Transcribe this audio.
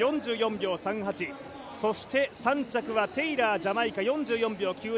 ４４秒３８そして、３着がテイラージャマイカ４４秒９７。